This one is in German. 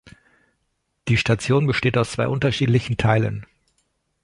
Die Station besteht aus zwei unterschiedlichen Teilen.